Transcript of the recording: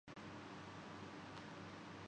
سابق کپتان عمران